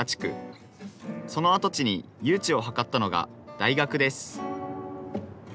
その跡地に誘致を図ったのが大学です